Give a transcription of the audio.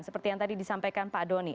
seperti yang tadi disampaikan pak doni